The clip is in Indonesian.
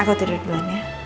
aku tidur duluan ya